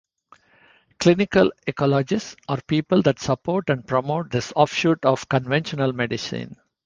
Clinical ecologists are people that support and promote this offshoot of conventional medicine.